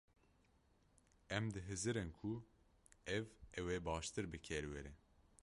Em dihizirin ku ev ew ê baştir bi kêr were.